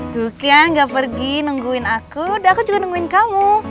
tuh kan gak pergi nungguin aku dah aku juga nungguin kamu